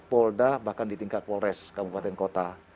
polda bahkan di tingkat polres kabupaten kota